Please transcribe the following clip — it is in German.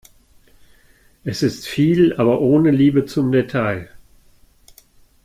Es ist viel, aber ohne Liebe zum Detail.